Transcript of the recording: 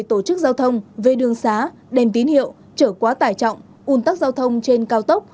tổ chức giao thông về đường xá đèn tín hiệu trở quá tải trọng un tắc giao thông trên cao tốc